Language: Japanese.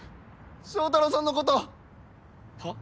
祥太郎さんのことはっ？